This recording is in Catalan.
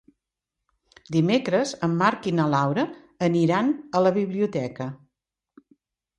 Dimecres en Marc i na Laura aniran a la biblioteca.